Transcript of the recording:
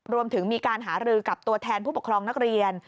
รวมถึงมีการหารือกับตัวแทนผู้ปกครองนักเรียน